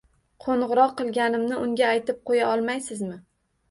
Qo'ng’iroq qilganimni unga aytib qo’ya olmaysizmi?